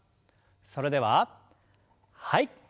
それでははい。